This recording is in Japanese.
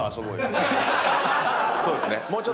そうですね。